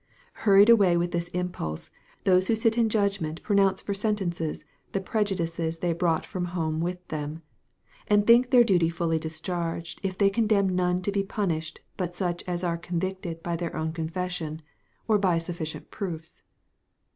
Hurried away with this impulse, those who sit in judgment pronounce for sentences the prejudices they brought from home with them; and think their duty fully discharged if they condemn none to be punished but such as are convicted by their own confession, or by sufficient proofs.